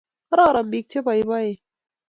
kororon pik chepoipoen